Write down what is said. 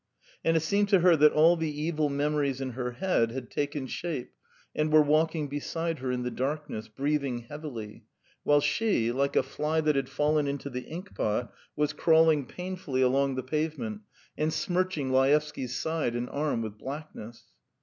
..." And it seemed to her that all the evil memories in her head had taken shape and were walking beside her in the darkness, breathing heavily, while she, like a fly that had fallen into the inkpot, was crawling painfully along the pavement and smirching Laevsky's side and arm with blackness.